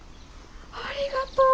ありがとう！